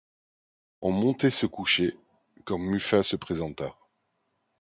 On montait se coucher, quand Muffat se présenta.